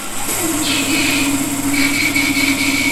古全力支持孙逸仙的革命理念要建立现代化中国。